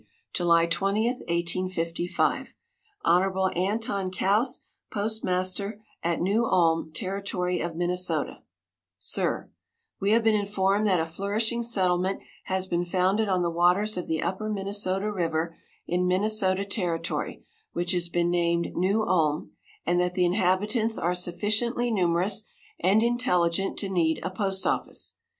"July 20, 1855. "Hon. Anton Kouse, Postmaster at New Ulm, Territory of Minnesota, "SIR: We have been informed that a flourishing settlement has been founded on the waters of the upper Minnesota river, in Minnesota Territory, which has been named New Ulm, and that the inhabitants are sufficiently numerous and intelligent to need a postoffice.